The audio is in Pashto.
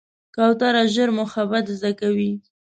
کوتره ژر محبت زده کوي.